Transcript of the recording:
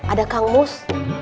ada kang mus